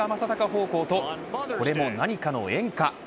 方向とこれも何かの縁か。